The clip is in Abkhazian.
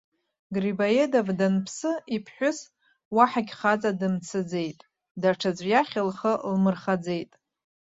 Грибоедов данԥсы, иԥҳәыс уаҳагь хаҵа дымцаӡеит, даҽаӡә иахь лхы лмырхаӡеит.